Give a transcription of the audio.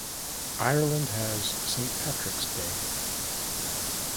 Ireland has Saint Patrick's Day.